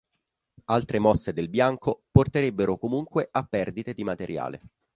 Altre mosse del Bianco porterebbero comunque a perdite di materiale.